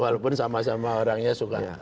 walaupun sama sama orangnya suka